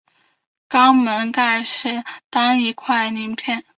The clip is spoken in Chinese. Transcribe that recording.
肛门盖是单一块鳞片。